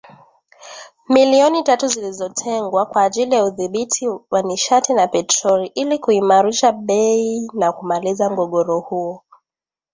milioni tatu zilizotengwa kwa ajili ya Udhibiti wa Nishati na Petroli ili kuimarisha bei na kumaliza mgogoro huo.